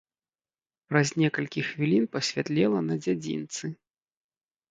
Праз некалькі хвілін пасвятлела на дзядзінцы.